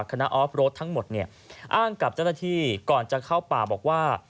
คณะออฟบรถทั้งหมดอ้างกับเจ้าตะที่ก่อนจะเข้าป่าบอกว่า